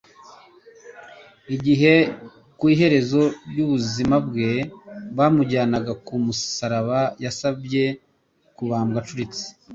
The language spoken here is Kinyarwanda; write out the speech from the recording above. Igihe ku iherezo ry'ubuzima bwe, bamujyanaga ku musaraba, yasabye kubambwa acuritse.